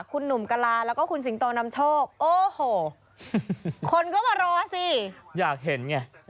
คุณหนุ่มกะลาแล้วก็คุณสิงโตนำโชคโอ้โหคนก็มารอสิอยากเห็นไง